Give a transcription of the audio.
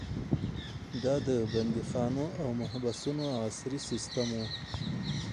دا د بندیخانو او محبسونو عصري سیستم و.